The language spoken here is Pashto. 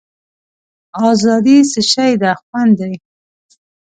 آزادي څه شی ده خوند دی.